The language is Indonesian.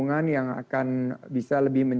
nah terima kasih pak md mack